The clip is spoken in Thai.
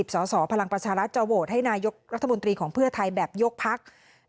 สสพลังประชารัฐจะโหวตให้นายกรัฐมนตรีของเพื่อไทยแบบยกพัก